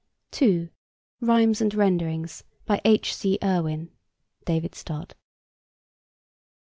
(2) Rhymes and Renderings. By H. C. Irwin. (David Stott.)